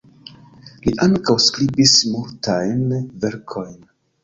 Li ankaŭ skribis multajn verkojn.